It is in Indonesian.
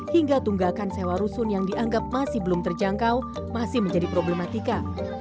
hingga tunggakan sewa rusun yang dianggap masih belum terjangkau masih menjadi problematika